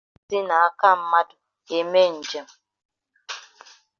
Na Kwara, Ndị Uweojii Ejidela Onye Ọgwụego Ji Isi na Aka Mmadụ Eme Njem